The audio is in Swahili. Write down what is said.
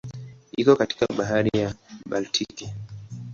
Iko kati ya Bahari ya Baltiki.